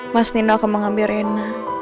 mas nina akan mengambil rena